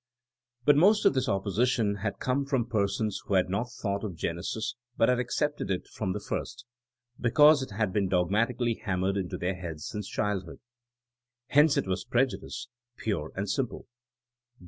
But most of this opposition had come from persons who had not thought of • Grenesis, but had accepted it from the first, be cause it had been dogmatically hammered into their heads since childhood. Hence it was prejudice, pure and simple.